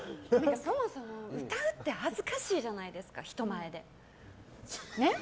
そもそも歌うって恥ずかしいじゃないですか人前で。